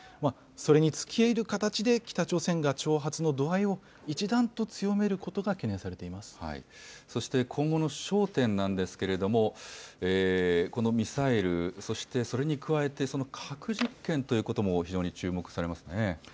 それにつけいる形で北朝鮮が挑発の度合いを一段と強めることが懸そして今後の焦点なんですけれども、このミサイル、そしてそれに加えて核実験ということも非常に注目されますね。